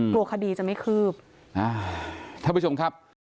กลัวคดีจะไม่คืบ